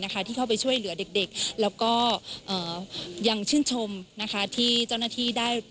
ก็ดีที่ได้เห็นมากกว่าทุกคนมาช่วยด้วย